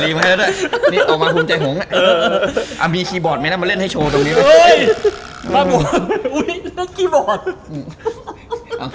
แล้วมีคีย์บอร์ดเมตต์มาเล่นให้โชว์นะ